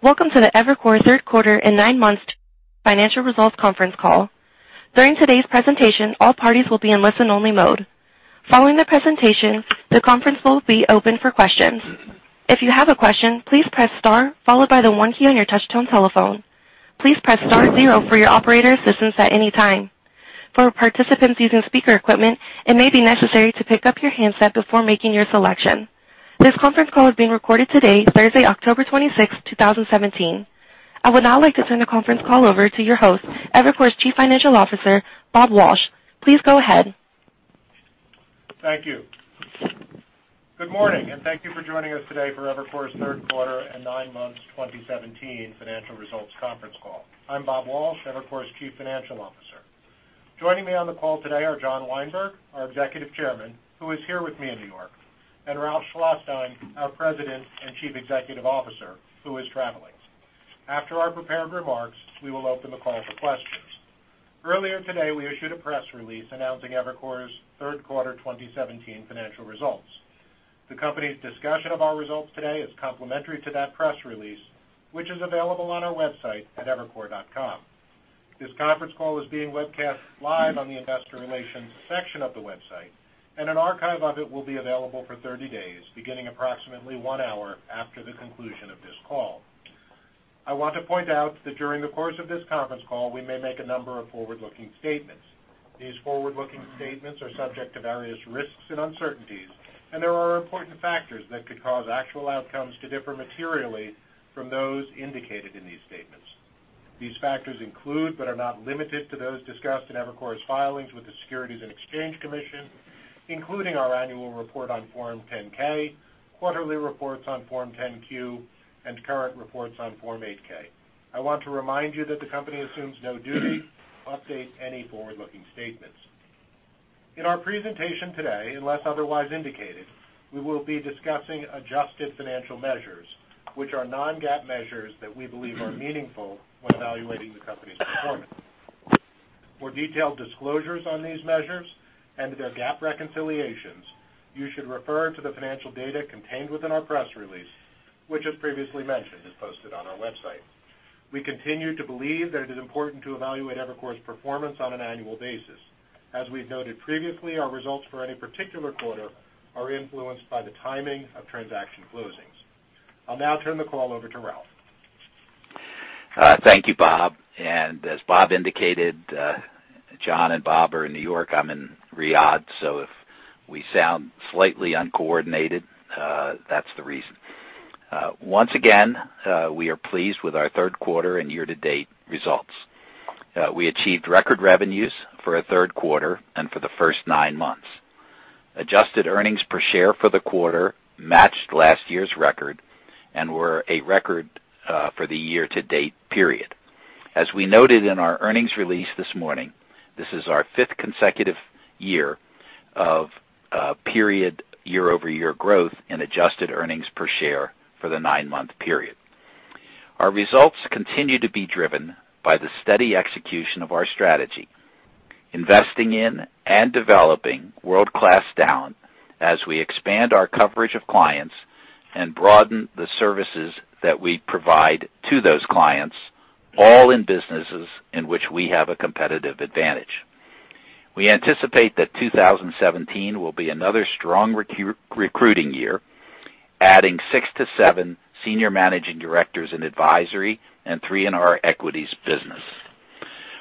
Welcome to the Evercore third quarter and 9 months financial results conference call. During today's presentation, all parties will be in listen-only mode. Following the presentation, the conference will be open for questions. If you have a question, please press star followed by the one key on your touchtone telephone. Please press star zero for your operator assistance at any time. For participants using speaker equipment, it may be necessary to pick up your handset before making your selection. This conference call is being recorded today, Thursday, October 26th, 2017. I would now like to turn the conference call over to your host, Evercore's Chief Financial Officer, Bob Walsh. Please go ahead. Thank you. Good morning, and thank you for joining us today for Evercore's third quarter and nine months 2017 financial results conference call. I'm Bob Walsh, Evercore's Chief Financial Officer. Joining me on the call today are John Weinberg, our Executive Chairman, who is here with me in New York, and Ralph Schlosstein, our President and Chief Executive Officer, who is traveling. After our prepared remarks, we will open the call for questions. Earlier today, we issued a press release announcing Evercore's third quarter 2017 financial results. The company's discussion of our results today is complementary to that press release, which is available on our website at evercore.com. This conference call is being webcast live on the investor relations section of the website, and an archive of it will be available for 30 days, beginning approximately one hour after the conclusion of this call. I want to point out that during the course of this conference call, we may make a number of forward-looking statements. These forward-looking statements are subject to various risks and uncertainties, and there are important factors that could cause actual outcomes to differ materially from those indicated in these statements. These factors include, but are not limited to, those discussed in Evercore's filings with the Securities and Exchange Commission, including our annual report on Form 10-K, quarterly reports on Form 10-Q, and current reports on Form 8-K. I want to remind you that the company assumes no duty to update any forward-looking statements. In our presentation today, unless otherwise indicated, we will be discussing adjusted financial measures, which are non-GAAP measures that we believe are meaningful when evaluating the company's performance. For detailed disclosures on these measures and their GAAP reconciliations, you should refer to the financial data contained within our press release, which, as previously mentioned, is posted on our website. We continue to believe that it is important to evaluate Evercore's performance on an annual basis. As we've noted previously, our results for any particular quarter are influenced by the timing of transaction closings. I'll now turn the call over to Ralph. Thank you, Bob. As Bob indicated, John and Bob are in New York. I'm in Riyadh, so if we sound slightly uncoordinated, that's the reason. Once again, we are pleased with our third quarter and year-to-date results. We achieved record revenues for a third quarter and for the first nine months. Adjusted earnings per share for the quarter matched last year's record and were a record for the year-to-date period. As we noted in our earnings release this morning, this is our fifth consecutive year of period year-over-year growth in adjusted earnings per share for the nine-month period. Our results continue to be driven by the steady execution of our strategy, investing in and developing world-class talent as we expand our coverage of clients and broaden the services that we provide to those clients, all in businesses in which we have a competitive advantage. We anticipate that 2017 will be another strong recruiting year, adding six to seven Senior Managing Directors in advisory and three in our equities business.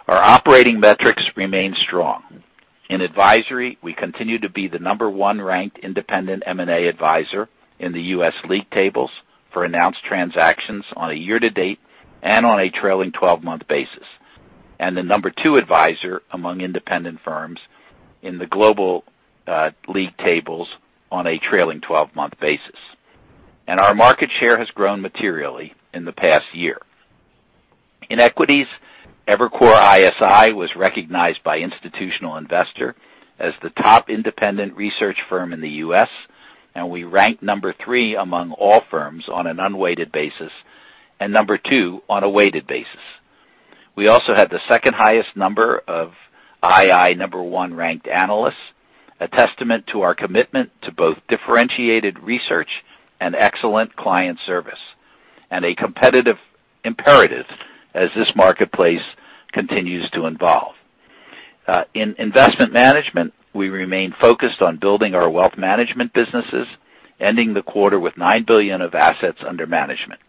Our operating metrics remain strong. In advisory, we continue to be the number one-ranked independent M&A advisor in the U.S. league tables for announced transactions on a year-to-date and on a trailing 12-month basis, and the number two advisor among independent firms in the global league tables on a trailing 12-month basis. Our market share has grown materially in the past year. In equities, Evercore ISI was recognized by Institutional Investor as the top independent research firm in the U.S., and we ranked number three among all firms on an unweighted basis and number two on a weighted basis. We also had the second highest number of II number one-ranked analysts, a testament to our commitment to both differentiated research and excellent client service, and a competitive imperative as this marketplace continues to evolve. In investment management, we remain focused on building our wealth management businesses, ending the quarter with $9 billion of assets under management.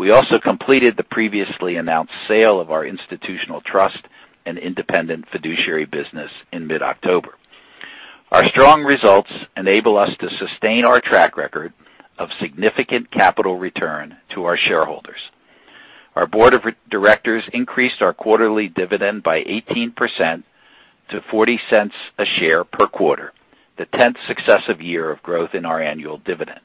We also completed the previously announced sale of our institutional trust and independent fiduciary business in mid-October. Our strong results enable us to sustain our track record of significant capital return to our shareholders. Our board of directors increased our quarterly dividend by 18% to $0.40 a share per quarter, the tenth successive year of growth in our annual dividend.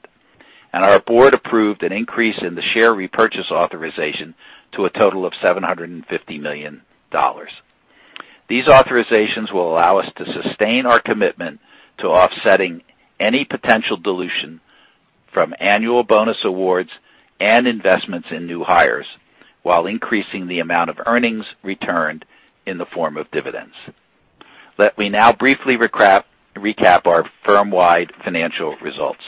Our board approved an increase in the share repurchase authorization to a total of $750 million. These authorizations will allow us to sustain our commitment to offsetting any potential dilution from annual bonus awards and investments in new hires while increasing the amount of earnings returned in the form of dividends. Let me now briefly recap our firm-wide financial results.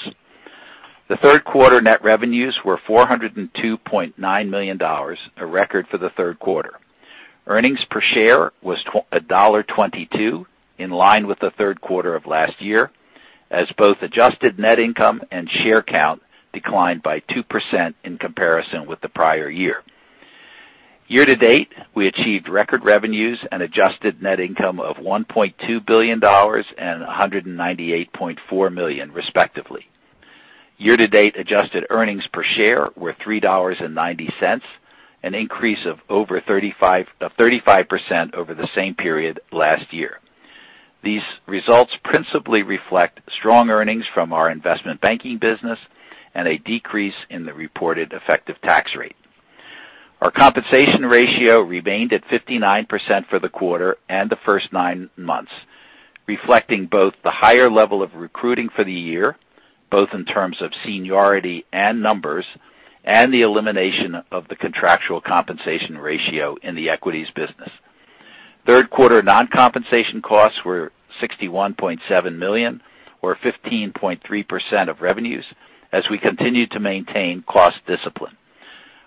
The third quarter net revenues were $402.9 million, a record for the third quarter. Earnings per share was $1.22, in line with the third quarter of last year, as both adjusted net income and share count declined by 2% in comparison with the prior year. Year-to-date, we achieved record revenues and adjusted net income of $1.2 billion and $198.4 million respectively. Year-to-date adjusted earnings per share were $3.90, an increase of 35% over the same period last year. These results principally reflect strong earnings from our investment banking business and a decrease in the reported effective tax rate. Our compensation ratio remained at 59% for the quarter and the first nine months, reflecting both the higher level of recruiting for the year, both in terms of seniority and numbers, and the elimination of the contractual compensation ratio in the equities business. Third quarter non-compensation costs were $61.7 million, or 15.3% of revenues, as we continued to maintain cost discipline.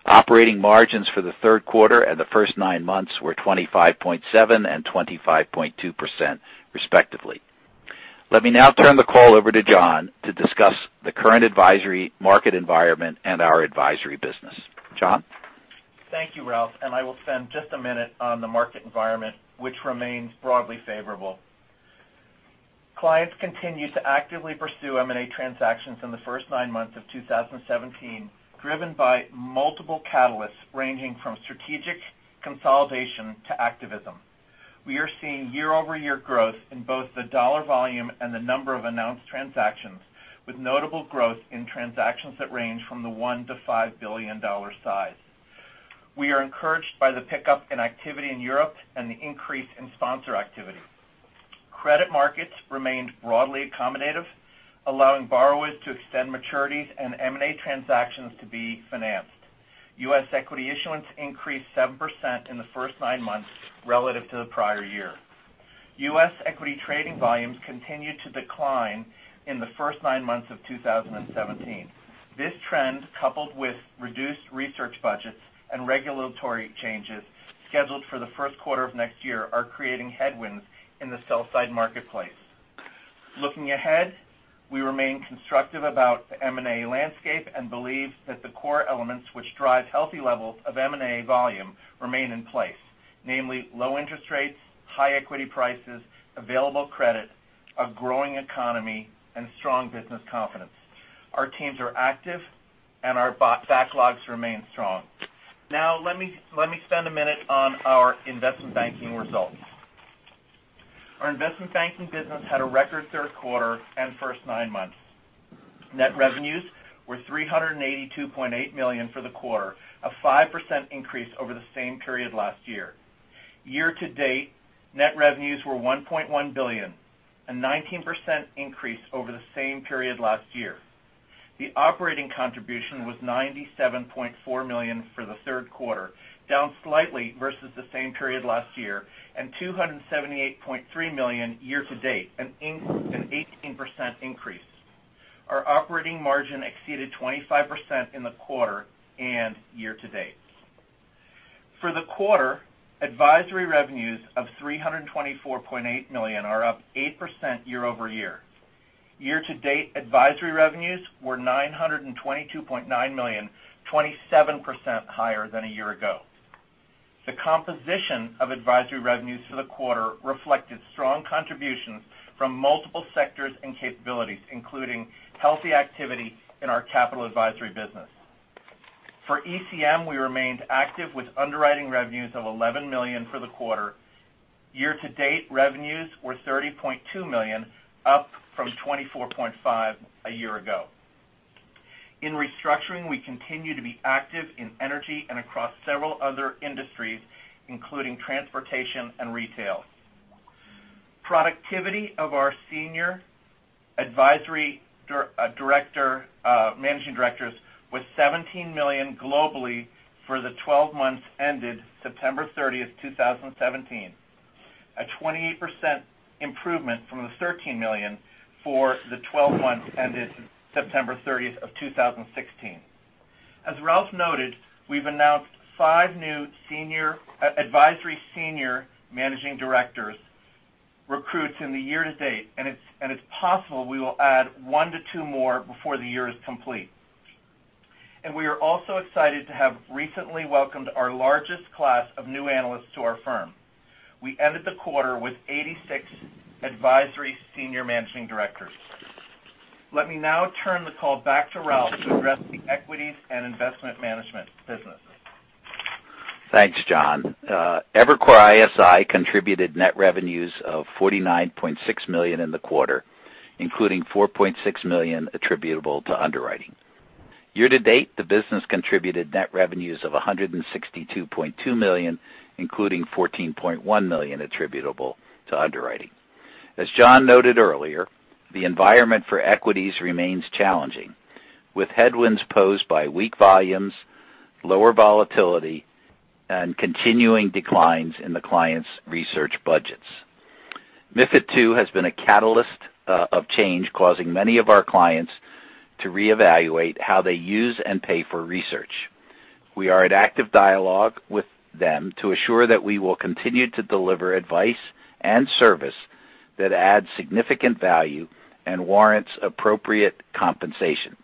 Operating margins for the third quarter and the first nine months were 25.7% and 25.2% respectively. Let me now turn the call over to John to discuss the current advisory market environment and our advisory business. John? Thank you, Ralph. I will spend just a minute on the market environment, which remains broadly favorable. Clients continue to actively pursue M&A transactions in the first nine months of 2017, driven by multiple catalysts ranging from strategic consolidation to activism. We are seeing year-over-year growth in both the dollar volume and the number of announced transactions, with notable growth in transactions that range from the $1 billion to $5 billion size. We are encouraged by the pickup in activity in Europe and the increase in sponsor activity. Credit markets remained broadly accommodative, allowing borrowers to extend maturities and M&A transactions to be financed. U.S. equity issuance increased 7% in the first nine months relative to the prior year. U.S. equity trading volumes continued to decline in the first nine months of 2017. This trend, coupled with reduced research budgets and regulatory changes scheduled for the first quarter of next year, are creating headwinds in the sell side marketplace. Looking ahead, we remain constructive about the M&A landscape and believe that the core elements which drive healthy levels of M&A volume remain in place. Namely, low interest rates, high equity prices, available credit, a growing economy, and strong business confidence. Our teams are active, and our backlogs remain strong. Now, let me spend a minute on our investment banking results. Our investment banking business had a record third quarter and first nine months. Net revenues were $382.8 million for the quarter, a 5% increase over the same period last year. Year-to-date, net revenues were $1.1 billion, a 19% increase over the same period last year. The operating contribution was $97.4 million for the third quarter, down slightly versus the same period last year, and $278.3 million year-to-date, an 18% increase. Our operating margin exceeded 25% in the quarter and year-to-date. For the quarter, advisory revenues of $324.8 million are up 8% year-over-year. Year-to-date advisory revenues were $922.9 million, 27% higher than a year ago. The composition of advisory revenues for the quarter reflected strong contributions from multiple sectors and capabilities, including healthy activity in our capital advisory business. For ECM, we remained active with underwriting revenues of $11 million for the quarter. Year-to-date revenues were $30.2 million, up from $24.5 million a year ago. In restructuring, we continue to be active in energy and across several other industries, including transportation and retail. Productivity of our senior advisory managing directors was $17 million globally for the 12 months ended September 30th, 2017. A 28% improvement from the $13 million for the 12 months ended September 30th of 2016. As Ralph noted, we've announced five new advisory senior managing directors recruits in the year-to-date, it's possible we will add one to two more before the year is complete. We are also excited to have recently welcomed our largest class of new analysts to our firm. We ended the quarter with 86 advisory senior managing directors. Let me now turn the call back to Ralph to address the equities and investment management businesses. Thanks, John. Evercore ISI contributed net revenues of $49.6 million in the quarter, including $4.6 million attributable to underwriting. Year-to-date, the business contributed net revenues of $162.2 million, including $14.1 million attributable to underwriting. As John noted earlier, the environment for equities remains challenging, with headwinds posed by weak volumes, lower volatility, and continuing declines in the clients' research budgets. MiFID II has been a catalyst of change, causing many of our clients to reevaluate how they use and pay for research. We are in active dialogue with them to assure that we will continue to deliver advice and service that adds significant value and warrants appropriate compensation.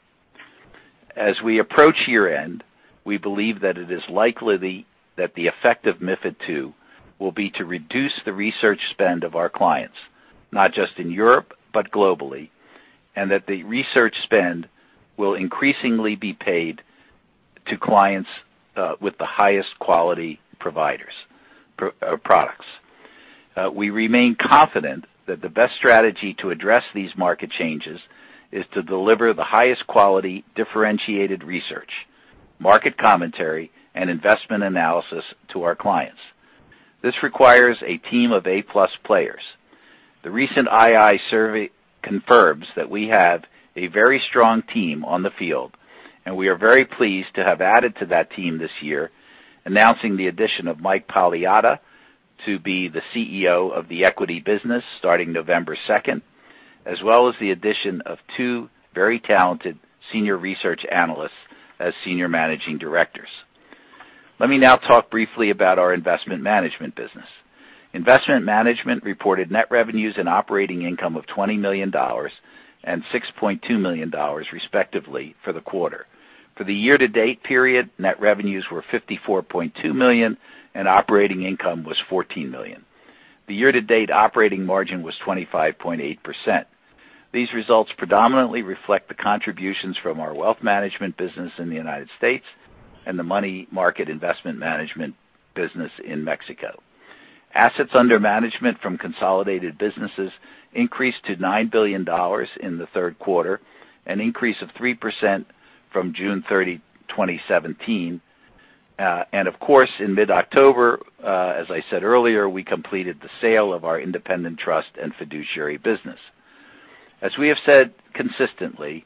As we approach year-end, we believe that it is likely that the effect of MiFID II will be to reduce the research spend of our clients, not just in Europe, but globally, that the research spend will increasingly be paid to clients with the highest quality providers or products. We remain confident that the best strategy to address these market changes is to deliver the highest quality, differentiated research, market commentary, and investment analysis to our clients. This requires a team of A-plus players. The recent II survey confirms that we have a very strong team on the field, we are very pleased to have added to that team this year, announcing the addition of Mike Paliotta to be the CEO of the equity business starting November 2nd, as well as the addition of two very talented senior research analysts as senior managing directors. Let me now talk briefly about our investment management business. Investment Management reported net revenues and operating income of $20 million and $6.2 million, respectively, for the quarter. For the year-to-date period, net revenues were $54.2 million and operating income was $14 million. The year-to-date operating margin was 25.8%. These results predominantly reflect the contributions from our wealth management business in the United States and the money market investment management business in Mexico. Assets under management from consolidated businesses increased to $9 billion in the third quarter, an increase of 3% from June 30, 2017. Of course, in mid-October, as I said earlier, we completed the sale of our independent trust and fiduciary business. As we have said consistently,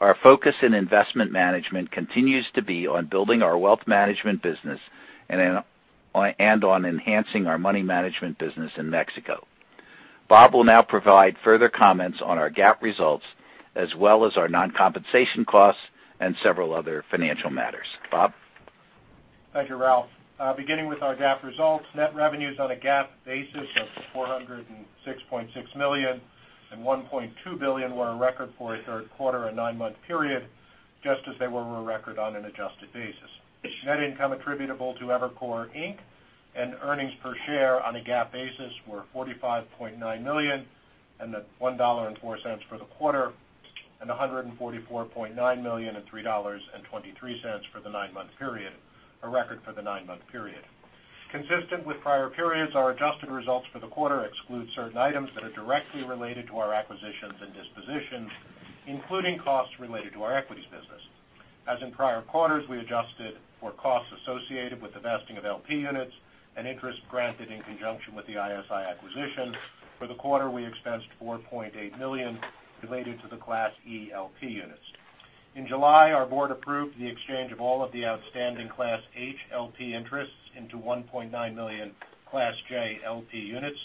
our focus in investment management continues to be on building our wealth management business and on enhancing our money management business in Mexico. Bob will now provide further comments on our GAAP results, as well as our non-compensation costs and several other financial matters. Bob? Thank you, Ralph. Beginning with our GAAP results, net revenues on a GAAP basis of $406.6 million and $1.2 billion were a record for a third quarter and nine-month period, just as they were a record on an adjusted basis. Net income attributable to Evercore Inc. and earnings per share on a GAAP basis were $45.9 million and $1.04 for the quarter, and $144.9 million and $3.23 for the nine-month period, a record for the nine-month period. Consistent with prior periods, our adjusted results for the quarter exclude certain items that are directly related to our acquisitions and dispositions, including costs related to our equities business. As in prior quarters, we adjusted for costs associated with the vesting of LP units and interest granted in conjunction with the ISI acquisition. For the quarter, we expensed $4.8 million related to the Class E LP units. In July, our board approved the exchange of all of the outstanding Class H LP interests into 1.9 million Class J LP units,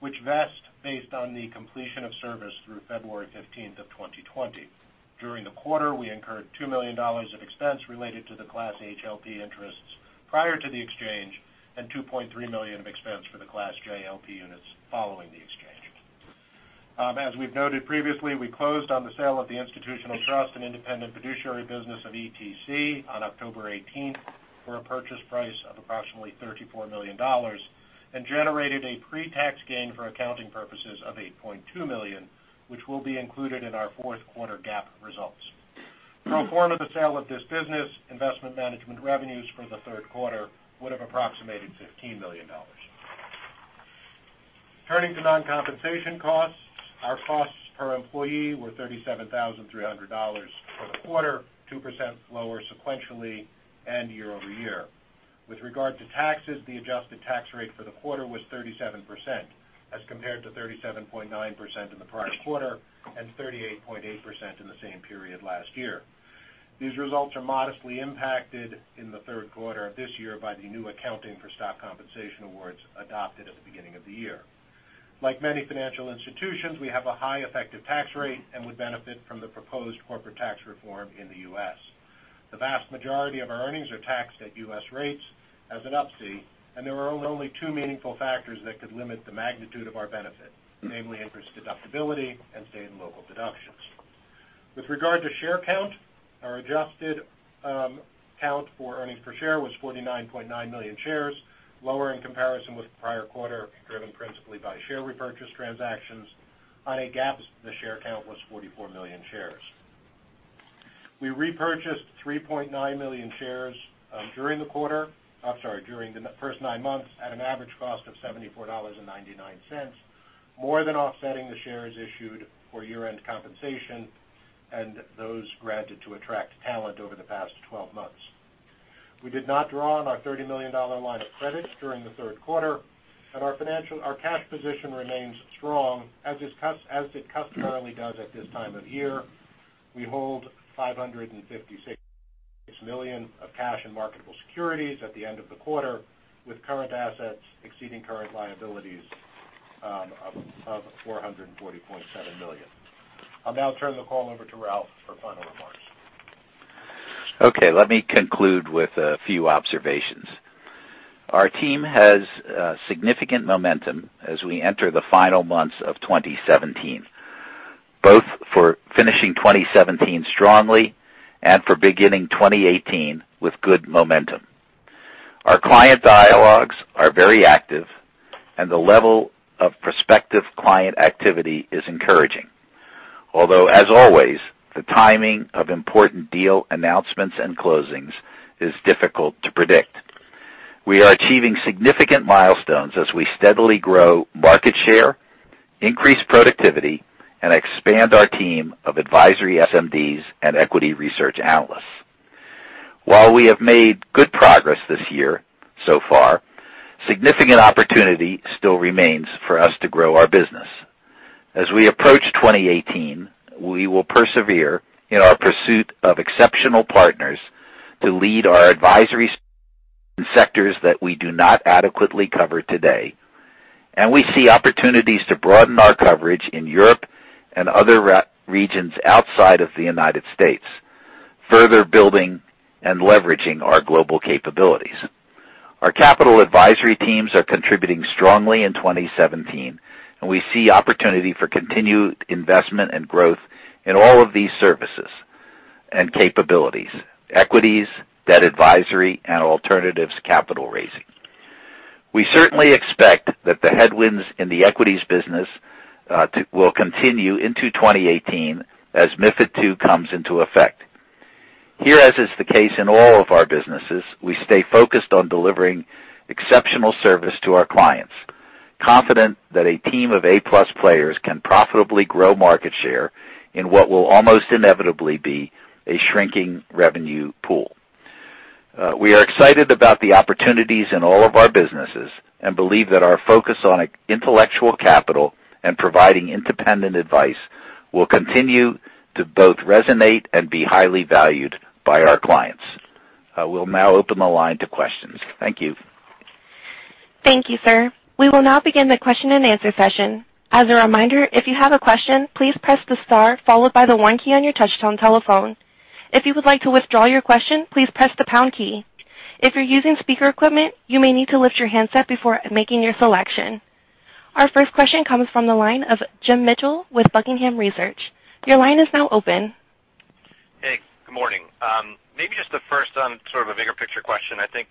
which vest based on the completion of service through February 15th of 2020. During the quarter, we incurred $2 million of expense related to the Class H LP interests prior to the exchange and $2.3 million of expense for the Class J LP units following the exchange. Bob, as we've noted previously, we closed on the sale of the institutional trust and independent fiduciary business of ETC on October 18th for a purchase price of approximately $34 million and generated a pre-tax gain for accounting purposes of $8.2 million, which will be included in our fourth quarter GAAP results. Pro forma the sale of this business, investment management revenues for the third quarter would have approximated $15 million. Turning to non-compensation costs, our costs per employee were $37,300 for the quarter, 2% lower sequentially and year-over-year. With regard to taxes, the adjusted tax rate for the quarter was 37%, as compared to 37.9% in the prior quarter and 38.8% in the same period last year. These results are modestly impacted in the third quarter of this year by the new accounting for stock compensation awards adopted at the beginning of the year. Like many financial institutions, we have a high effective tax rate and would benefit from the proposed corporate tax reform in the U.S. The vast majority of our earnings are taxed at U.S. rates as an Up-C, and there are only two meaningful factors that could limit the magnitude of our benefit, namely interest deductibility and state and local deductions. With regard to share count, our adjusted count for earnings per share was 49.9 million shares, lower in comparison with the prior quarter, driven principally by share repurchase transactions. On a GAAP, the share count was 44 million shares. We repurchased 3.9 million shares during the first nine months at an average cost of $74.99, more than offsetting the shares issued for year-end compensation and those granted to attract talent over the past 12 months. We did not draw on our $30 million line of credit during the third quarter, and our cash position remains strong as it customarily does at this time of year. We hold $556 million of cash and marketable securities at the end of the quarter, with current assets exceeding current liabilities of $440.7 million. I'll now turn the call over to Ralph for final remarks. Let me conclude with a few observations. Our team has significant momentum as we enter the final months of 2017, both for finishing 2017 strongly and for beginning 2018 with good momentum. Our client dialogues are very active, and the level of prospective client activity is encouraging. As always, the timing of important deal announcements and closings is difficult to predict. We are achieving significant milestones as we steadily grow market share, increase productivity, and expand our team of advisory SMD and equity research analysts. We have made good progress this year so far, significant opportunity still remains for us to grow our business. We approach 2018, we will persevere in our pursuit of exceptional partners to lead our advisory sectors that we do not adequately cover today. We see opportunities to broaden our coverage in Europe and other regions outside of the United States, further building and leveraging our global capabilities. Our capital advisory teams are contributing strongly in 2017. We see opportunity for continued investment and growth in all of these services and capabilities: equities, debt advisory, and alternatives capital raising. We certainly expect that the headwinds in the equities business will continue into 2018 as MiFID II comes into effect. Here, as is the case in all of our businesses, we stay focused on delivering exceptional service to our clients, confident that a team of A-plus players can profitably grow market share in what will almost inevitably be a shrinking revenue pool. We are excited about the opportunities in all of our businesses and believe that our focus on intellectual capital and providing independent advice will continue to both resonate and be highly valued by our clients. I will now open the line to questions. Thank you. Thank you, sir. We will now begin the question and answer session. As a reminder, if you have a question, please press the star followed by the one key on your touchtone telephone. If you would like to withdraw your question, please press the pound key. If you're using speaker equipment, you may need to lift your handset before making your selection. Our first question comes from the line of James Mitchell with Buckingham Research. Your line is now open. Hey, good morning. Maybe just the first sort of a bigger picture question. I think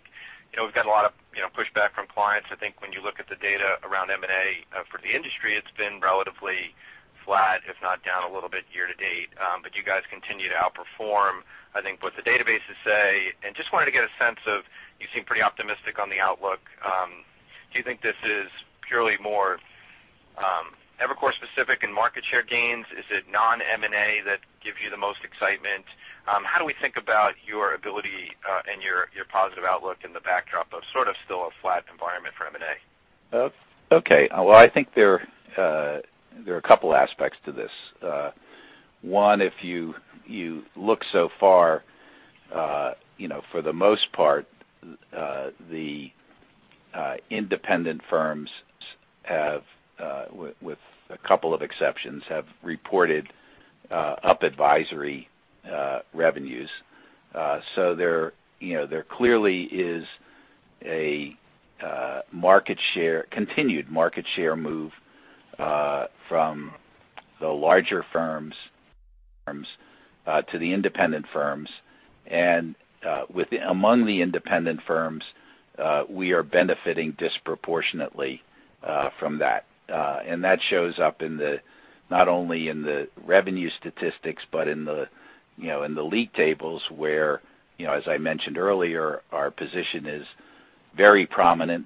we've got a lot of pushback from clients. I think when you look at the data around M&A for the industry, it's been relatively flat, if not down a little bit year-to-date. You guys continue to outperform, I think, what the databases say, and just wanted to get a sense of, you seem pretty optimistic on the outlook. Do you think this is purely more Evercore specific and market share gains? Is it non-M&A that gives you the most excitement? How do we think about your ability and your positive outlook in the backdrop of sort of still a flat environment for M&A? Okay. Well, I think there are a couple aspects to this. One, if you look so far, for the most part, the independent firms, with a couple of exceptions, have reported up advisory revenues. There clearly is a continued market share move from the larger firms to the independent firms. Among the independent firms, we are benefiting disproportionately from that. That shows up not only in the revenue statistics, but in the league tables where, as I mentioned earlier, our position is very prominent,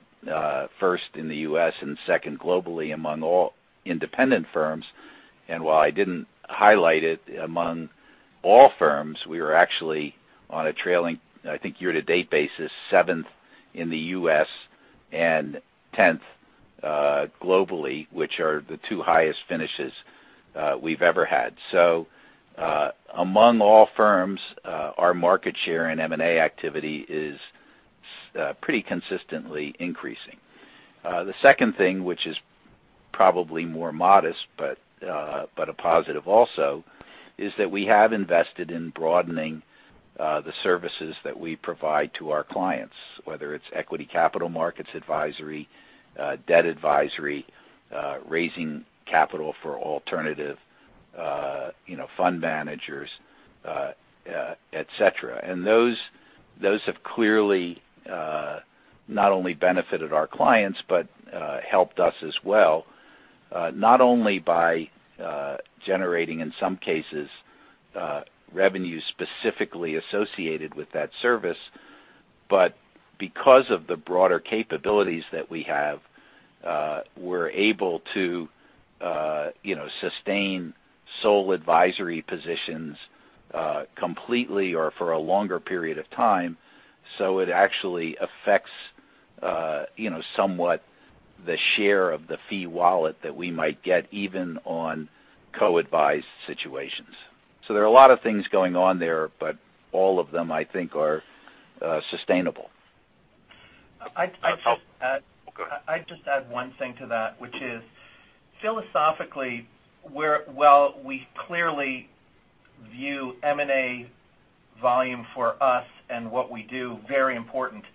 first in the U.S. and second globally among all independent firms. While I didn't highlight it, among all firms, we are actually on a trailing, I think, year-to-date basis, seventh in the U.S. and 10th globally, which are the two highest finishes we've ever had. Among all firms, our market share and M&A activity is pretty consistently increasing. The second thing, which is probably more modest but a positive also, is that we have invested in broadening the services that we provide to our clients, whether it's equity capital markets advisory, debt advisory, raising capital for alternative fund managers, et cetera. Those have clearly not only benefited our clients but helped us as well, not only by generating, in some cases, revenues specifically associated with that service, but because of the broader capabilities that we have, we're able to sustain sole advisory positions completely or for a longer period of time. It actually affects somewhat the share of the fee wallet that we might get even on co-advised situations. There are a lot of things going on there, but all of them, I think, are sustainable. I'd just add- Go ahead. I'd just add one thing to that, which is philosophically, while we clearly view M&A volume for us and what we do very important,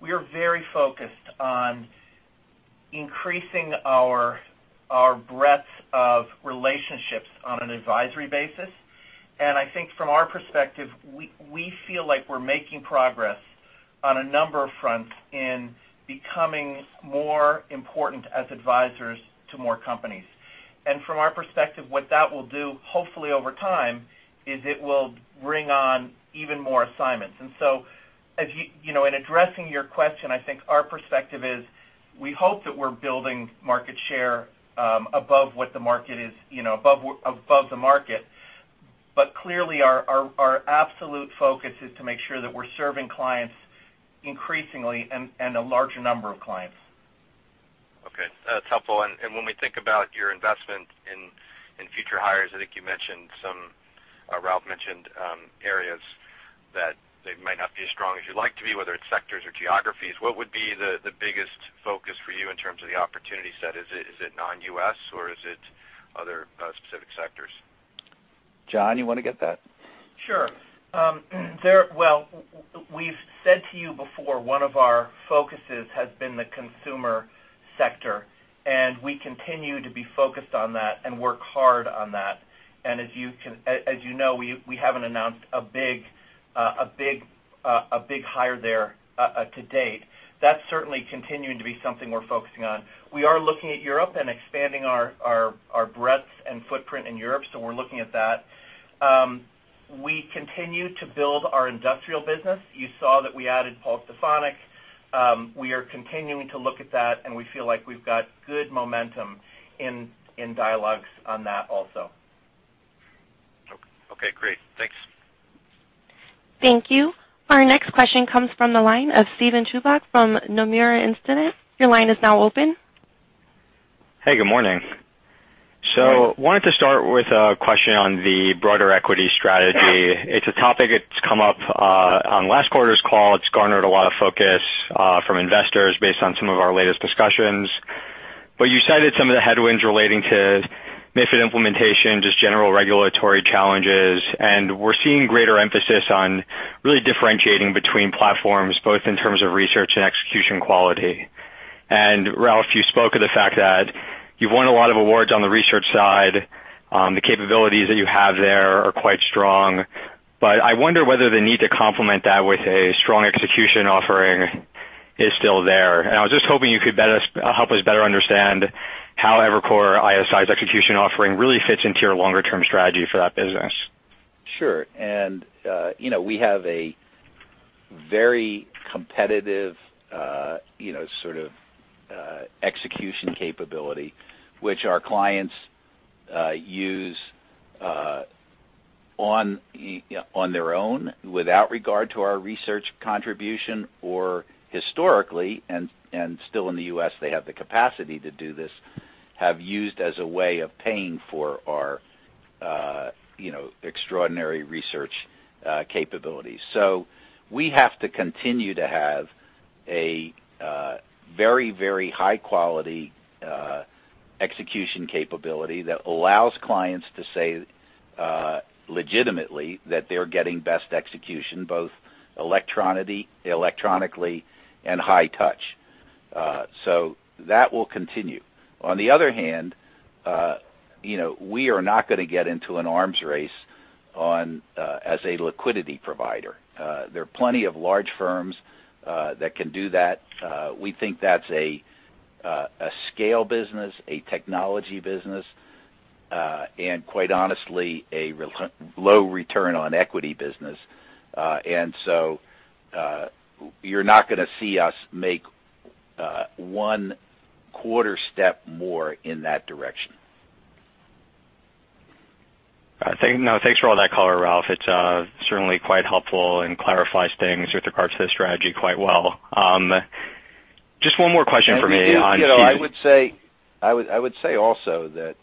we are very focused on increasing our breadth of relationships on an advisory basis. I think from our perspective, we feel like we're making progress on a number of fronts in becoming more important as advisors to more companies. From our perspective, what that will do, hopefully over time, is it will bring on even more assignments. In addressing your question, I think our perspective is we hope that we're building market share above the market. Clearly our absolute focus is to make sure that we're serving clients increasingly and a larger number of clients. Okay. That's helpful. When we think about your investment in future hires, I think you mentioned some, Ralph mentioned areas that they might not be as strong as you'd like to be, whether it's sectors or geographies. What would be the biggest focus for you in terms of the opportunity set? Is it non-U.S. or is it other specific sectors? John, you want to get that? Sure. Well, we've said to you before, one of our focuses has been the consumer sector, we continue to be focused on that and work hard on that. As you know, we haven't announced a big hire there to date. That's certainly continuing to be something we're focusing on. We are looking at Europe and expanding our breadth and footprint in Europe, so we're looking at that. We continue to build our industrial business. You saw that we added Pulsonic. We are continuing to look at that, we feel like we've got good momentum in dialogues on that also. Okay, great. Thanks. Thank you. Our next question comes from the line of Steven Chubak from Nomura Instinet. Your line is now open. Hey, good morning. Wanted to start with a question on the broader equity strategy. It's a topic that's come up on last quarter's call. It's garnered a lot of focus from investors based on some of our latest discussions. But you cited some of the headwinds relating to MiFID implementation, just general regulatory challenges, we're seeing greater emphasis on really differentiating between platforms, both in terms of research and execution quality. Ralph, you spoke of the fact that you've won a lot of awards on the research side. The capabilities that you have there are quite strong, but I wonder whether the need to complement that with a strong execution offering is still there. I was just hoping you could help us better understand how Evercore ISI's execution offering really fits into your longer-term strategy for that business. Sure. We have a very competitive sort of execution capability, which our clients use on their own without regard to our research contribution or historically, and still in the U.S., they have the capacity to do this, have used as a way of paying for our extraordinary research capabilities. We have to continue to have a very high-quality execution capability that allows clients to say legitimately that they're getting best execution, both electronically and high touch. That will continue. On the other hand, we are not going to get into an arms race as a liquidity provider. There are plenty of large firms that can do that. We think that's a scale business, a technology business, and quite honestly, a low return on equity business. You're not going to see us make one quarter step more in that direction. Thanks for all that color, Ralph. It's certainly quite helpful and clarifies things with regards to the strategy quite well. Just one more question for me on- I would say also that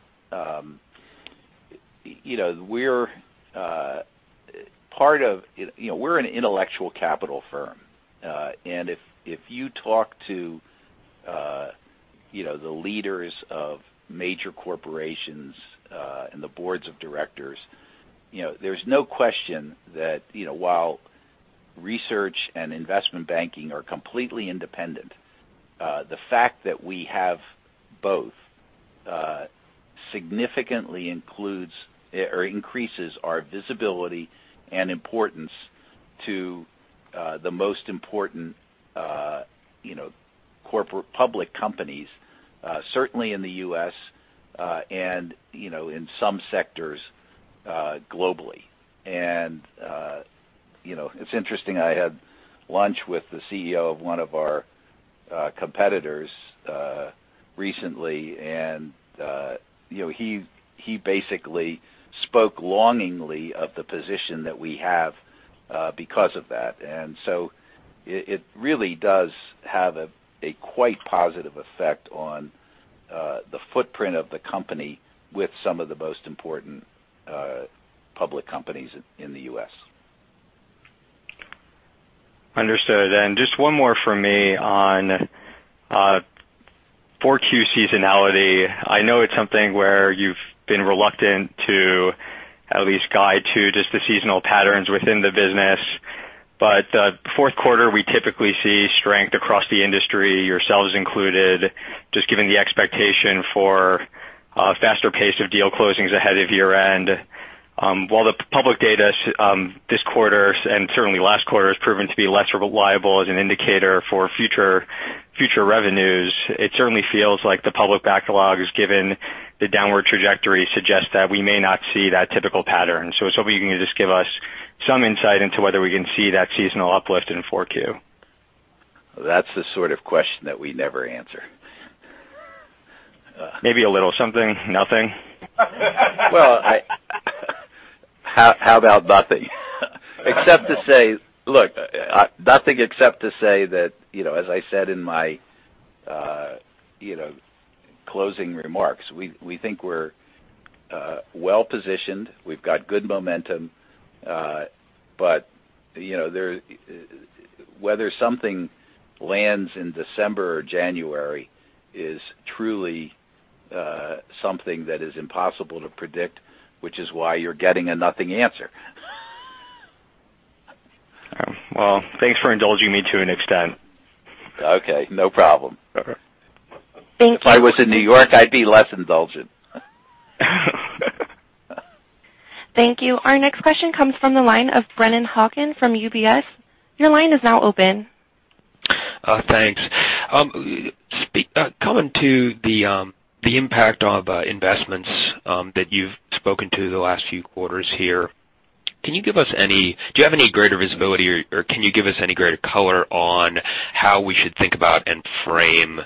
we're an intellectual capital firm. If you talk to the leaders of major corporations and the boards of directors, there's no question that while research and investment banking are completely independent, the fact that we have both significantly increases our visibility and importance to the most important public companies, certainly in the U.S., and in some sectors globally. It's interesting, I had lunch with the CEO of one of our competitors recently, and he basically spoke longingly of the position that we have because of that. It really does have a quite positive effect on the footprint of the company with some of the most important public companies in the U.S. Understood. Just one more from me on 4Q seasonality. I know it's something where you've been reluctant to at least guide to just the seasonal patterns within the business. Fourth quarter, we typically see strength across the industry, yourselves included, just given the expectation for a faster pace of deal closings ahead of year-end. While the public data this quarter and certainly last quarter has proven to be less reliable as an indicator for future revenues, it certainly feels like the public backlogs, given the downward trajectory, suggest that we may not see that typical pattern. I was hoping you can just give us some insight into whether we can see that seasonal uplift in 4Q. That's the sort of question that we never answer. Maybe a little something? Nothing? Well, how about nothing? Except to say, look, nothing except to say that, as I said in my closing remarks, we think we're well-positioned. We've got good momentum. Whether something lands in December or January is truly something that is impossible to predict, which is why you're getting a nothing answer. Well, thanks for indulging me to an extent. Okay, no problem. Thank you. If I was in New York, I'd be less indulgent. Thank you. Our next question comes from the line of Brennan Hawken from UBS. Your line is now open. Thanks. Coming to the impact of investments that you've spoken to the last few quarters here, do you have any greater visibility or can you give us any greater color on how we should think about and frame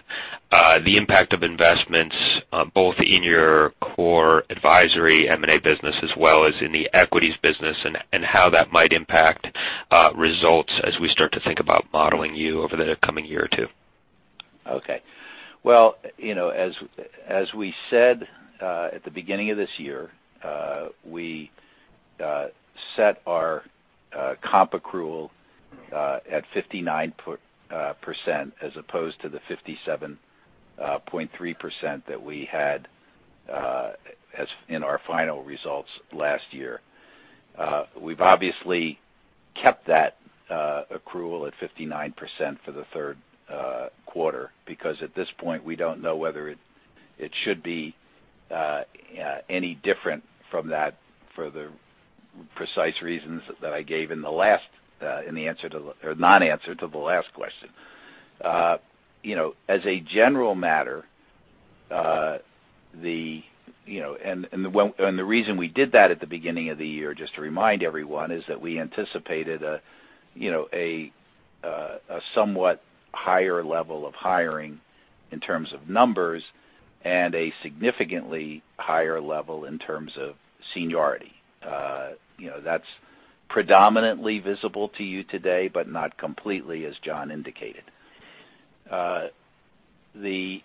the impact of investments, both in your core advisory M&A business as well as in the equities business, and how that might impact results as we start to think about modeling you over the coming year or two? Okay. Well, as we said at the beginning of this year, we set our comp accrual at 59%, as opposed to the 57.3% that we had in our final results last year. We've obviously kept that accrual at 59% for the third quarter, because at this point, we don't know whether it should be any different from that for the precise reasons that I gave in the non-answer to the last question. As a general matter, the reason we did that at the beginning of the year, just to remind everyone, is that we anticipated a somewhat higher level of hiring in terms of numbers and a significantly higher level in terms of seniority. That's predominantly visible to you today, but not completely, as John indicated. The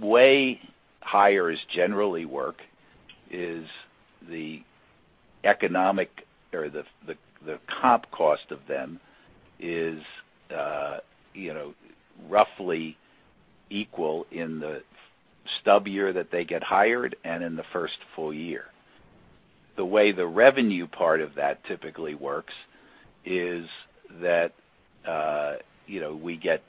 way hires generally work is the economic or the comp cost of them is roughly equal in the stub year that they get hired and in the first full year. The way the revenue part of that typically works is that we get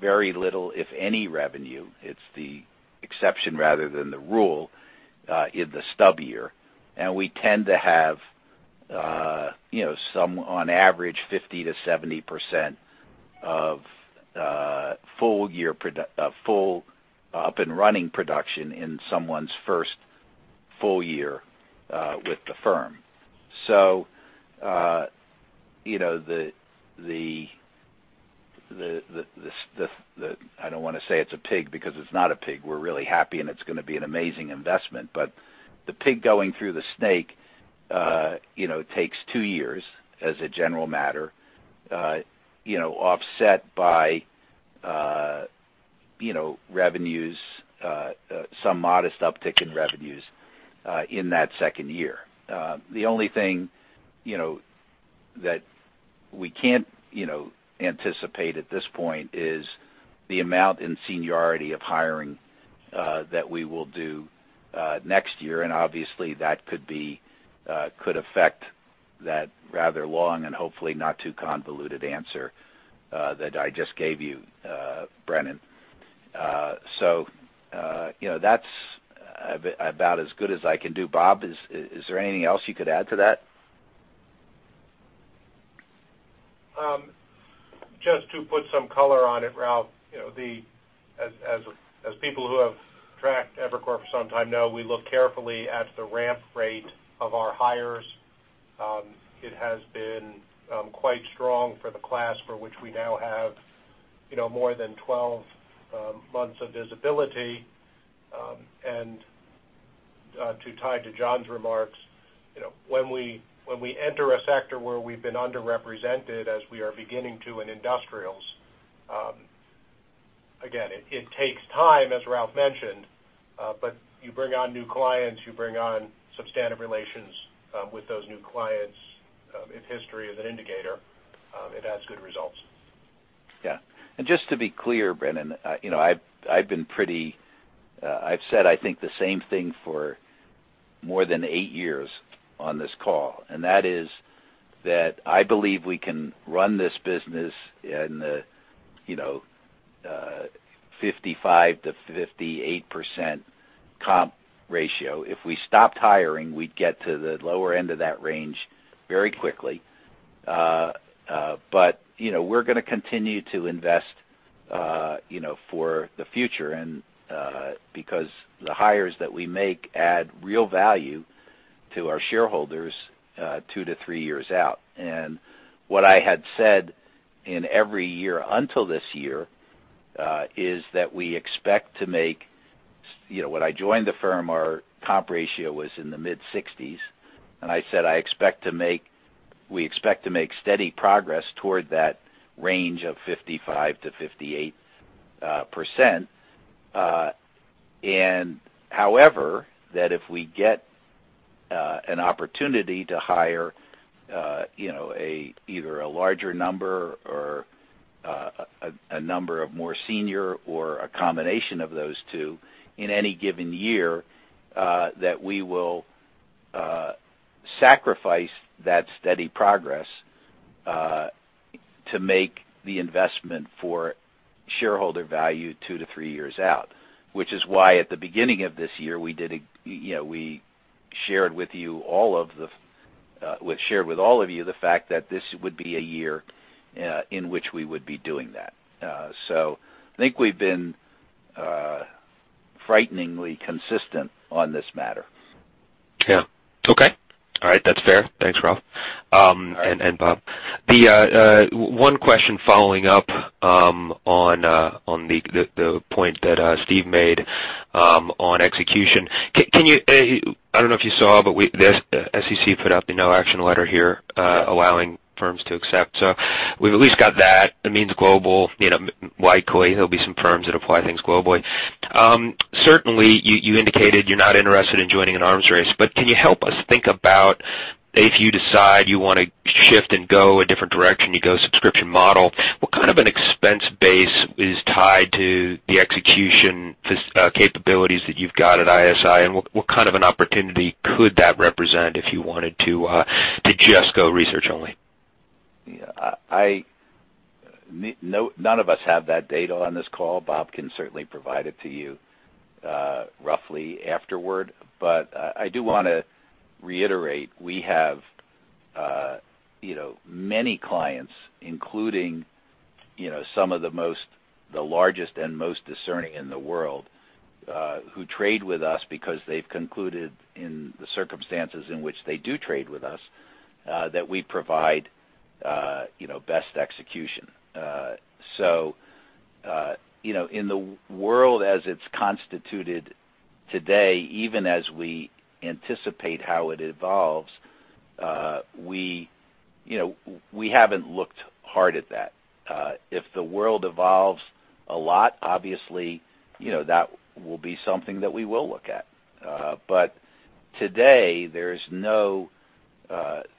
very little, if any, revenue. It's the exception rather than the rule in the stub year, we tend to have some, on average, 50%-70% of full up-and-running production in someone's first full year with the firm. I don't want to say it's a pig because it's not a pig. We're really happy, and it's going to be an amazing investment. The pig going through the snake takes two years as a general matter offset by revenues, some modest uptick in revenues in that second year. The only thing that we can't anticipate at this point is the amount in seniority of hiring that we will do next year, obviously, that could affect that rather long and hopefully not too convoluted answer that I just gave you, Brennan. That's about as good as I can do. Bob, is there anything else you could add to that? Just to put some color on it, Ralph, as people who have tracked Evercore for some time know, we look carefully at the ramp rate of our hires. It has been quite strong for the class for which we now have more than 12 months of visibility. To tie to John's remarks, when we enter a sector where we've been underrepresented as we are beginning to in industrials, again, it takes time, as Ralph mentioned. You bring on new clients, you bring on substantive relations with those new clients. If history is an indicator, it has good results. Yeah. Just to be clear, Brennan, I've said I think the same thing for more than eight years on this call, and that is that I believe we can run this business in the 55%-58% comp ratio. If we stopped hiring, we'd get to the lower end of that range very quickly. We're going to continue to invest for the future, and because the hires that we make add real value to our shareholders two to three years out. What I had said in every year until this year, is that we expect to make When I joined the firm, our comp ratio was in the mid-60s, and I said, "We expect to make steady progress toward that range of 55%-58%." However, that if we get an opportunity to hire either a larger number or a number of more senior or a combination of those two in any given year, that we will sacrifice that steady progress to make the investment for shareholder value two to three years out. Which is why at the beginning of this year, we shared with all of you the fact that this would be a year in which we would be doing that. I think we've been frighteningly consistent on this matter. Yeah. Okay. All right. That's fair. Thanks, Ralph. All right. Bob. One question following up on the point that Steve made on execution. I don't know if you saw, but the SEC put out the no action letter here. Yeah Allowing firms to accept. We've at least got that. It means global, likely there'll be some firms that apply things globally. Certainly, you indicated you're not interested in joining an arms race, but can you help us think about if you decide you want to shift and go a different direction, you go subscription model, what kind of an expense base is tied to the execution capabilities that you've got at ISI, and what kind of an opportunity could that represent if you wanted to just go research only? Yeah. None of us have that data on this call. Bob can certainly provide it to you roughly afterward. I do want to reiterate, we have many clients, including some of the largest and most discerning in the world, who trade with us because they've concluded in the circumstances in which they do trade with us, that we provide best execution. In the world as it's constituted today, even as we anticipate how it evolves, we haven't looked hard at that. If the world evolves a lot, obviously, that will be something that we will look at. Today,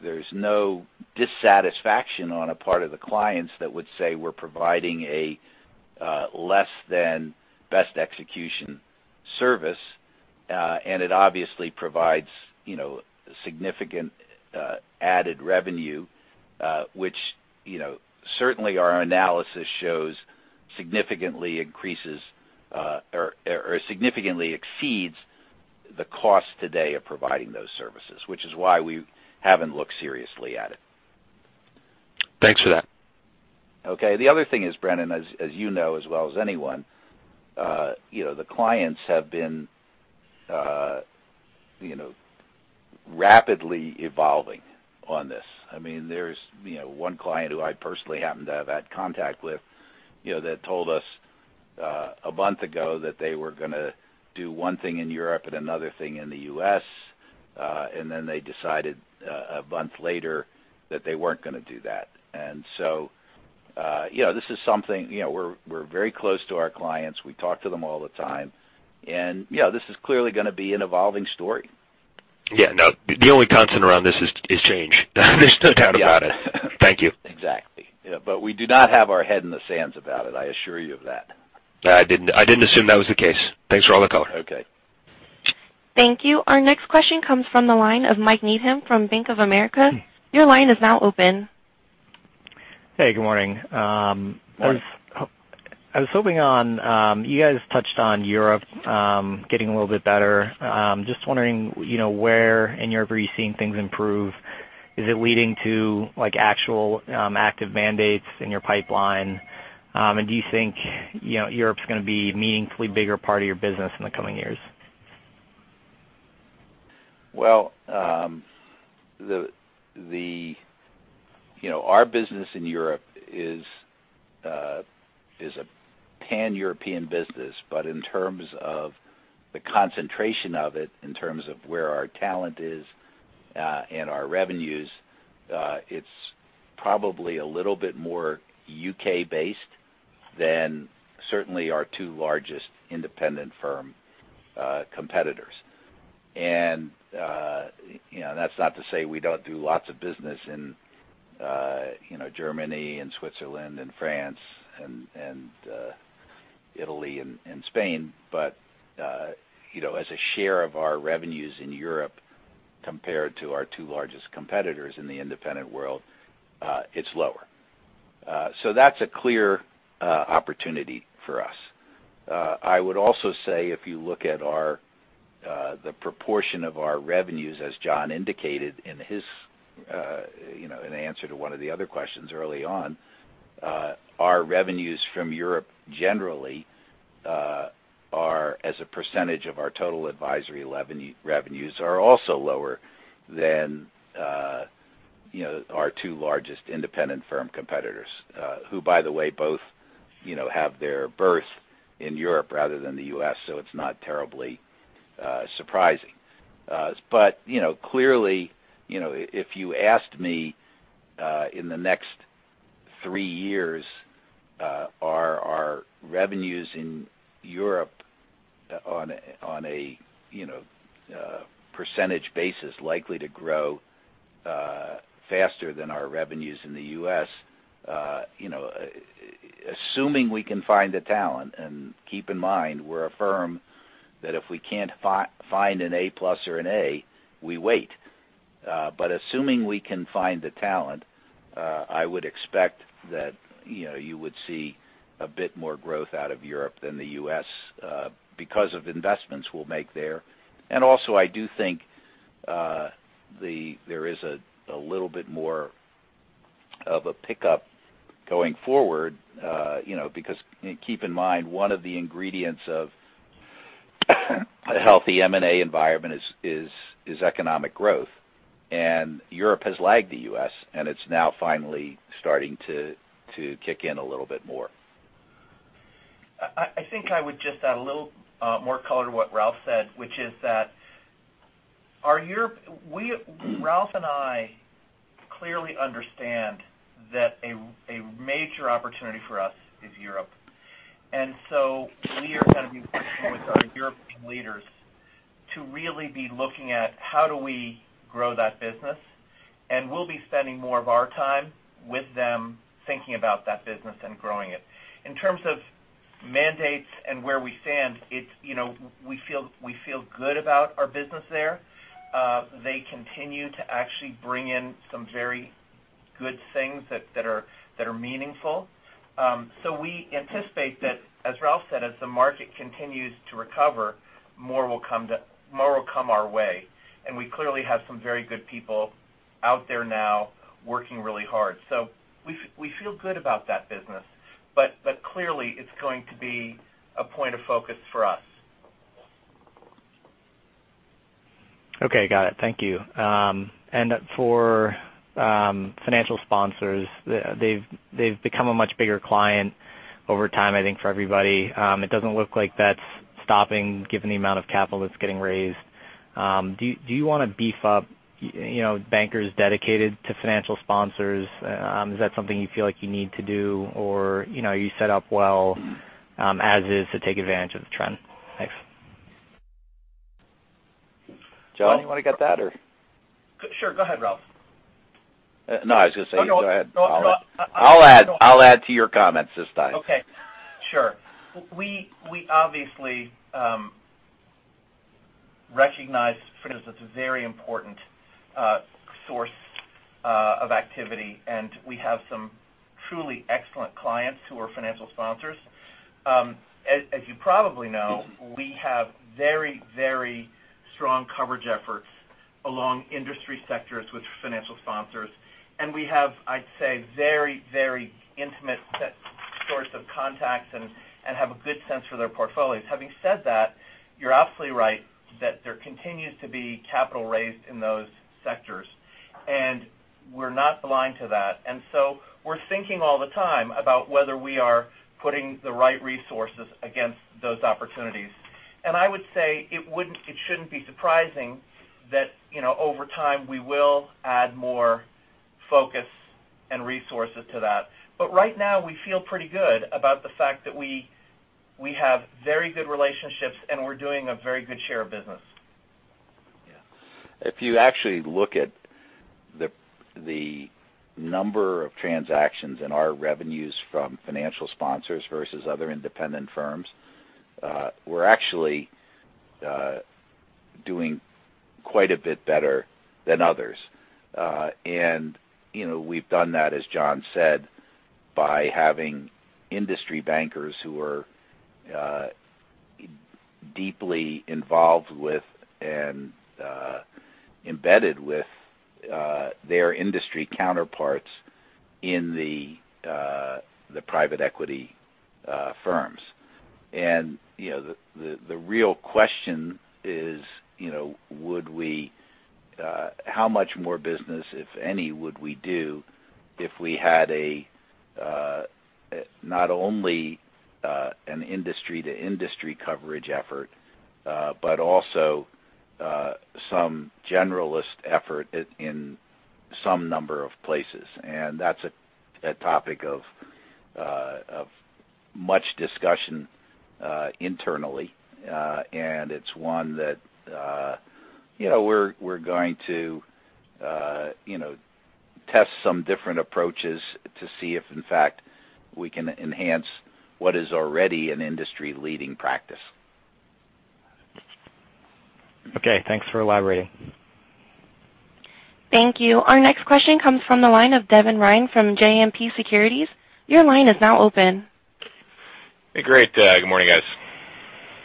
there's no dissatisfaction on a part of the clients that would say we're providing a less than best execution service. It obviously provides significant added revenue, which certainly our analysis shows significantly increases, or significantly exceeds the cost today of providing those services, which is why we haven't looked seriously at it. Thanks for that. Okay. The other thing is, Brennan, as you know as well as anyone, the clients have been rapidly evolving on this. There's one client who I personally happen to have had contact with, that told us a month ago that they were going to do one thing in Europe and another thing in the U.S., and then they decided a month later that they weren't going to do that. So, we're very close to our clients. We talk to them all the time, and this is clearly going to be an evolving story. Yeah. No, the only constant around this is change. There's no doubt about it. Yeah. Thank you. Exactly. We do not have our head in the sand about it. I assure you of that. I didn't assume that was the case. Thanks for all the color. Okay. Thank you. Our next question comes from the line of Michael Needham from Bank of America. Your line is now open. Hey, good morning. Morning. I was hoping on, you guys touched on Europe getting a little bit better. Just wondering, where in Europe are you seeing things improve? Is it leading to actual active mandates in your pipeline? Do you think Europe's going to be a meaningfully bigger part of your business in the coming years? Well, our business in Europe is a Pan-European business. In terms of the concentration of it, in terms of where our talent is, and our revenues, it's probably a little bit more U.K.-based than certainly our two largest independent firm competitors. That's not to say we don't do lots of business in Germany and Switzerland and France and Italy and Spain. As a share of our revenues in Europe, compared to our two largest competitors in the independent world, it's lower. That's a clear opportunity for us. I would also say, if you look at the proportion of our revenues, as John indicated in his answer to one of the other questions early on, our revenues from Europe generally are, as a percentage of our total advisory revenues, are also lower than our two largest independent firm competitors. Who, by the way, both have their birth in Europe rather than the U.S., so it's not terribly surprising. Clearly, if you asked me in the next three years, are our revenues in Europe on a percentage basis, likely to grow faster than our revenues in the U.S.? Assuming we can find the talent, and keep in mind, we're a firm that if we can't find an A+ or an A, we wait. Assuming we can find the talent, I would expect that you would see a bit more growth out of Europe than the U.S. because of investments we'll make there. Also, I do think there is a little bit more of a pickup going forward. Keep in mind, one of the ingredients of a healthy M&A environment is economic growth, Europe has lagged the U.S., it's now finally starting to kick in a little bit more. I think I would just add a little more color to what Ralph said, which is that Ralph and I clearly understand that a major opportunity for us is Europe. We are going to be working with our European leaders to really be looking at how do we grow that business. We'll be spending more of our time with them thinking about that business and growing it. In terms of mandates and where we stand, we feel good about our business there. They continue to actually bring in some very good things that are meaningful. We anticipate that, as Ralph said, as the market continues to recover, more will come our way. We clearly have some very good people out there now working really hard. We feel good about that business. Clearly, it's going to be a point of focus for us. Okay. Got it. Thank you. For financial sponsors, they've become a much bigger client over time, I think, for everybody. It doesn't look like that's stopping given the amount of capital that's getting raised. Do you want to beef up bankers dedicated to financial sponsors? Is that something you feel like you need to do? Or are you set up well as is to take advantage of the trend? Thanks. John, you want to get that? Sure. Go ahead, Ralph. No, I was going to say go ahead. No. I'll add to your comments this time. Okay. Sure. We obviously recognize that it's a very important source of activity, we have some truly excellent clients who are financial sponsors. As you probably know, we have very strong coverage efforts along industry sectors with financial sponsors. We have, I'd say, very intimate set source of contacts and have a good sense for their portfolios. Having said that, you're absolutely right that there continues to be capital raised in those sectors. We're not blind to that. We're thinking all the time about whether we are putting the right resources against those opportunities. I would say it shouldn't be surprising that over time, we will add more focus and resources to that. Right now, we feel pretty good about the fact that we have very good relationships, and we're doing a very good share of business. Yeah. If you actually look at the number of transactions and our revenues from financial sponsors versus other independent firms, we're actually doing quite a bit better than others. We've done that, as John said, by having industry bankers who are deeply involved with and embedded with their industry counterparts in the private equity firms. The real question is, how much more business, if any, would we do if we had not only an industry-to-industry coverage effort, but also some generalist effort in some number of places? That's a topic of much discussion internally, and it's one that we're going to test some different approaches to see if, in fact, we can enhance what is already an industry-leading practice. Okay. Thanks for elaborating. Thank you. Our next question comes from the line of Devin Ryan from JMP Securities. Your line is now open. Hey, great. Good morning, guys.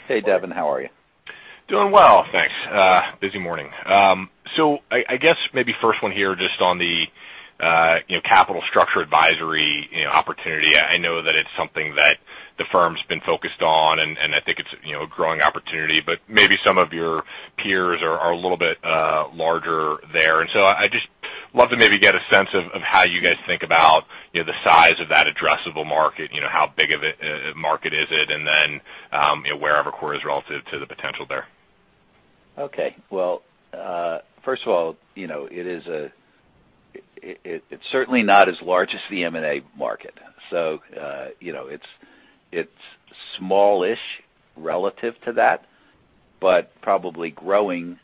Hey, Devin, how are you? Doing well, thanks. Busy morning. I guess maybe first one here, just on the capital structure advisory opportunity. I know that it's something that the firm's been focused on, and I think it's a growing opportunity, but maybe some of your peers are a little bit larger there. I'd just love to maybe get a sense of how you guys think about the size of that addressable market, how big of a market is it, and then where Evercore is relative to the potential there. Okay. Well, first of all, it's certainly not as large as the M&A market. It's smallish relative to that, but probably growing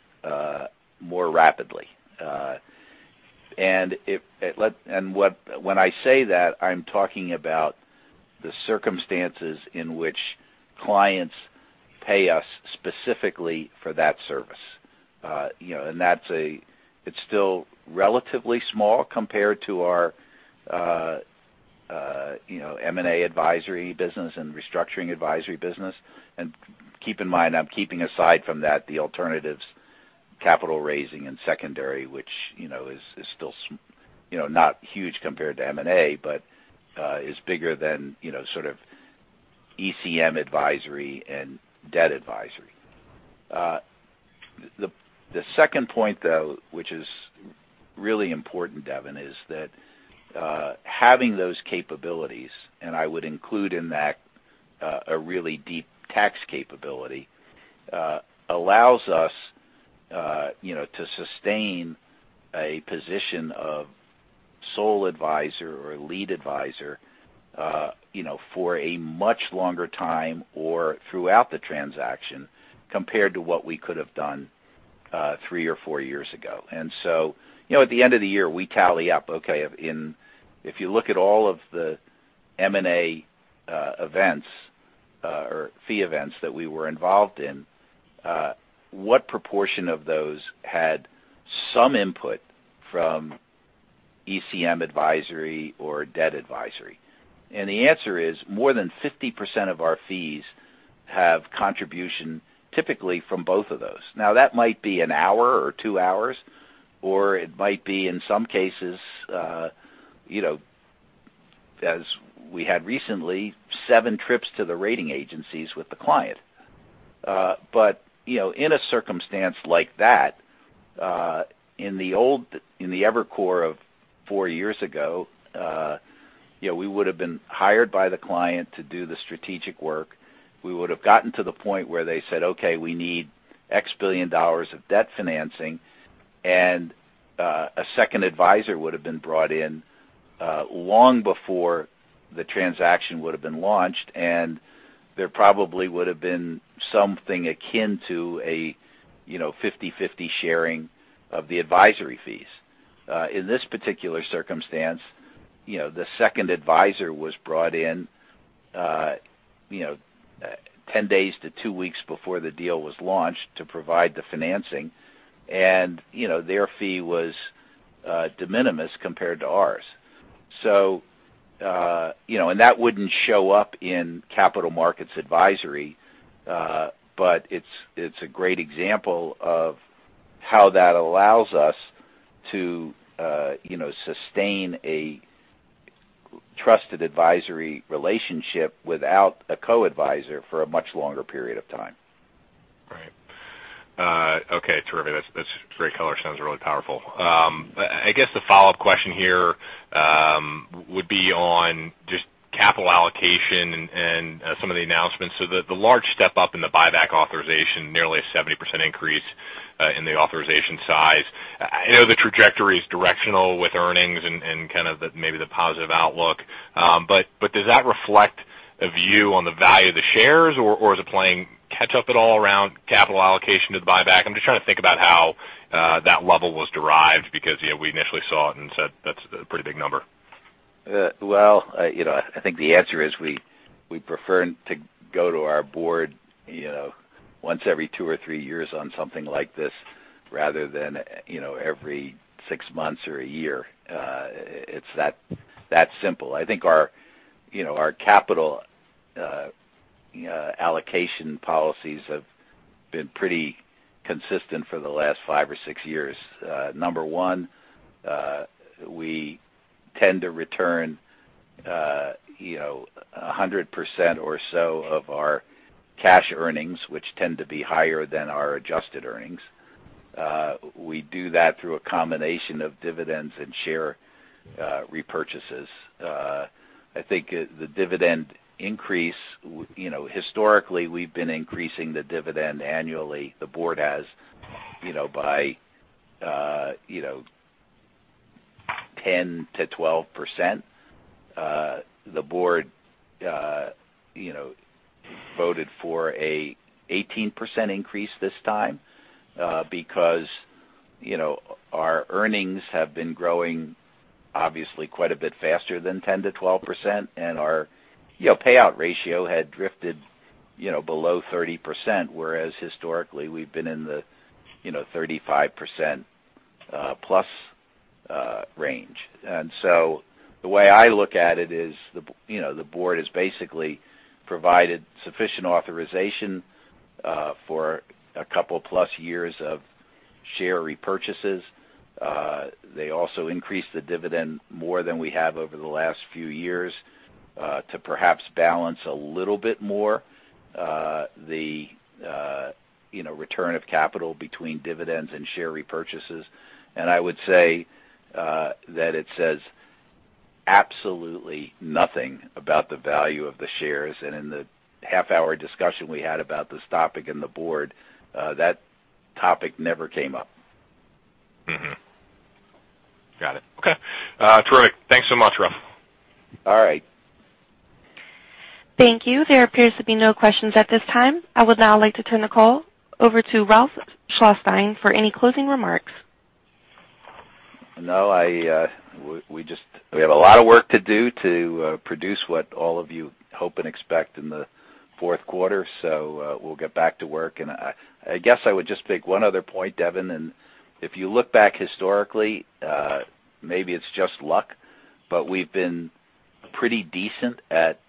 more rapidly. When I say that, I'm talking about the circumstances in which clients pay us specifically for that service. It's still relatively small compared to our M&A advisory business and restructuring advisory business. Keep in mind, I'm keeping aside from that the alternatives capital raising and secondary, which is still not huge compared to M&A, but is bigger than sort of ECM advisory and debt advisory. The second point, though, which is really important, Devin, is that having those capabilities, and I would include in that a really deep tax capability, allows us to sustain a position of sole advisor or lead advisor for a much longer time or throughout the transaction compared to what we could have done three or four years ago. At the end of the year, we tally up, okay, if you look at all of the M&A events or fee events that we were involved in, what proportion of those had some input from ECM advisory or debt advisory? The answer is more than 50% of our fees have contribution, typically from both of those. Now, that might be an hour or two hours, or it might be, in some cases, as we had recently, seven trips to the rating agencies with the client. In a circumstance like that, in the old, in the Evercore of four years ago, we would've been hired by the client to do the strategic work. We would've gotten to the point where they said, "Okay, we need $X billion of debt financing." A second advisor would've been brought in long before the transaction would've been launched, and there probably would've been something akin to a 50/50 sharing of the advisory fees. In this particular circumstance, the second advisor was brought in 10 days to two weeks before the deal was launched to provide the financing. Their fee was de minimis compared to ours. That wouldn't show up in capital markets advisory. It's a great example of how that allows us to sustain a trusted advisory relationship without a co-advisor for a much longer period of time. Right. Okay, terrific. That's great color. Sounds really powerful. I guess the follow-up question here would be on just capital allocation and some of the announcements. The large step-up in the buyback authorization, nearly a 70% increase in the authorization size. I know the trajectory is directional with earnings and kind of maybe the positive outlook. Does that reflect a view on the value of the shares, or is it playing catch-up at all around capital allocation to the buyback? I'm just trying to think about how that level was derived because we initially saw it and said that's a pretty big number. Well, I think the answer is we prefer to go to our board once every two or three years on something like this rather than every six months or a year. It's that simple. I think our capital allocation policies have been pretty consistent for the last five or six years. Number one, we tend to return 100% or so of our cash earnings, which tend to be higher than our adjusted earnings. We do that through a combination of dividends and share repurchases. I think the dividend increase, historically, we've been increasing the dividend annually. The board has by 10%-12%. The board voted for an 18% increase this time because our earnings have been growing obviously quite a bit faster than 10%-12%, and our payout ratio had drifted below 30%, whereas historically we've been in the 35% plus range. The way I look at it is the board has basically provided sufficient authorization for a couple plus years of share repurchases. They also increased the dividend more than we have over the last few years to perhaps balance a little bit more the return of capital between dividends and share repurchases. I would say that it says absolutely nothing about the value of the shares. In the half-hour discussion we had about this topic in the board, that topic never came up. Got it. Okay. Terrific. Thanks so much, Ralph. All right. Thank you. There appears to be no questions at this time. I would now like to turn the call over to Ralph Schlosstein for any closing remarks. No, we have a lot of work to do to produce what all of you hope and expect in the fourth quarter. We'll get back to work. I guess I would just make one other point, Devin, and if you look back historically, maybe it's just luck, but we've been pretty decent at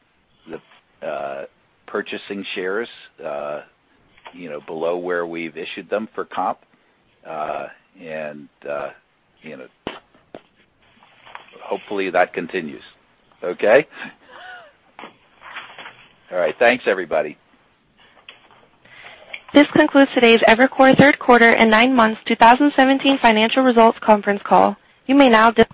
the purchasing shares below where we've issued them for comp. Hopefully, that continues. Okay? All right. Thanks, everybody. This concludes today's Evercore Third Quarter and Nine Months 2017 Financial Results Conference Call. You may now disconnect.